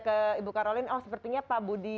ke ibu karolin oh sepertinya pak budi